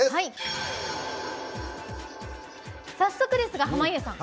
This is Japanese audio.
早速ですが濱家さん